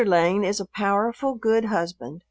Lane is a powerful good husband.